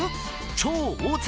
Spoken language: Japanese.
超大粒！